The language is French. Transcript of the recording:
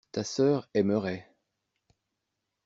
Ta sœur aimerait.